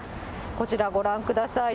こちら、ご覧ください。